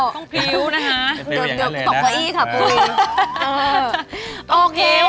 ต้องพร้อมนะคะ